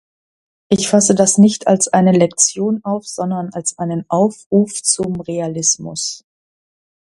Ich fasse das nicht als eine Lektion auf, sondern als einen Aufruf zum Realismus.